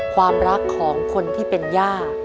ความรักของคนที่เป็นย่า